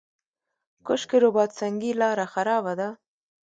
کشک رباط سنګي لاره خرابه ده؟